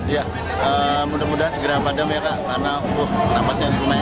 ya mudah mudahan segera padam ya karena penampasnya ini lumayan